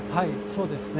そうですね。